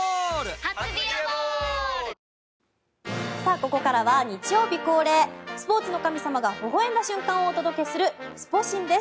ここからは、日曜日恒例スポーツの神様がほほ笑んだ瞬間をお届けするスポ神です。